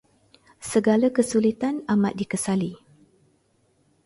Segala kesulitan amat dikesali.